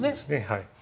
はい。